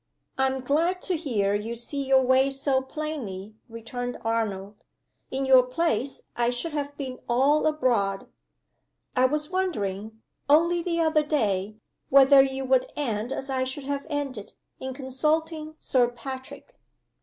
"I'm glad to hear you see your way so plainly," returned Arnold. "In your place, I should have been all abroad. I was wondering, only the other day, whether you would end, as I should have ended, in consulting Sir Patrick."